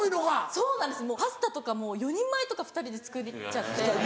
そうなんですパスタとかもう４人前とか２人で作っちゃって。